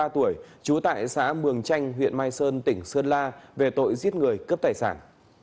ba mươi tuổi trú tại xã mường chanh huyện mai sơn tỉnh sơn la về tội giết người cướp tài sản